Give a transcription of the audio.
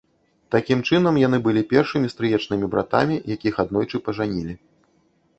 Такім чынам, яны былі першымі стрыечнымі братамі, якіх аднойчы пажанілі.